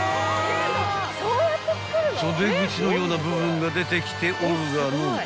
［袖口のような部分が出てきておるがのう］